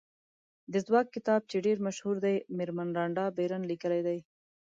د ځواک کتاب چې ډېر مشهور دی مېرمن رانډا بېرن لیکلی دی.